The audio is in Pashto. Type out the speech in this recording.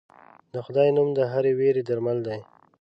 د خدای نوم د هرې وېرې درمل دی.